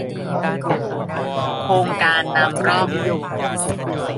โครงการนำร่อง